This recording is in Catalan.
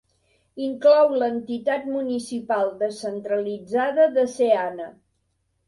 Inclou l'entitat municipal descentralitzada de Seana.